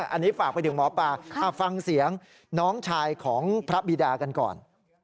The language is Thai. อันนี้ฝากไปถึงหมอปลาฟังเสียงน้องชายของพระบิดากันก่อน